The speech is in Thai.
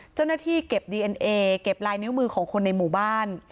เจ้าหน้าที่เก็บดีเอ็นเอเก็บลายนิ้วมือของคนในหมู่บ้าน